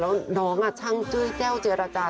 แล้วน้องไร้ชั่งจ้วยแจ้วเจรจา